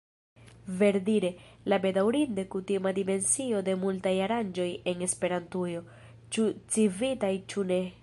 Verdire, la bedaŭrinde kutima dimensio de multaj aranĝoj en Esperantujo, ĉu Civitaj ĉu ne.